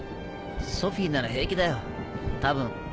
ソフィーなら平気だよ多分。